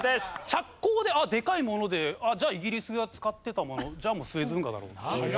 着工ででかいものでじゃあイギリスが使ってたものじゃあもうスエズ運河だろう。